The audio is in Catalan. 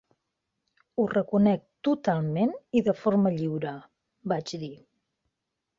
"Ho reconec totalment i de forma lliure", vaig dir.